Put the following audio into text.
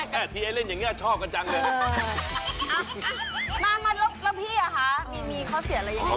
แค่ทีไอเล่นอย่างนี้ชอบกันจังเลยเออมาแล้วพี่คะมีข้อเสี่ยงอะไรอย่างนี้